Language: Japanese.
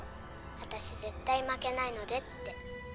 私絶対負けないのでって。